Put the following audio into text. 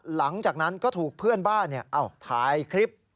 หลังจากนั้นก็ถูกเพื่อนบ้านถ่ายคลิป